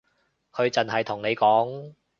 佢淨係同你講